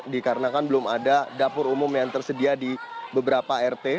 dikarenakan belum ada dapur umum yang tersedia di beberapa rt